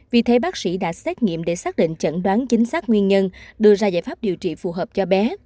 vì thế bác sĩ đã xét nghiệm để xác định chẩn đoán chính xác nguyên nhân đưa ra giải pháp điều trị phù hợp cho bé